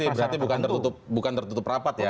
berarti bukan tertutup rapat ya